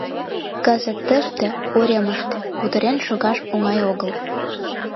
Кызыт тыште, уремыште, кутырен шогаш оҥай огыл...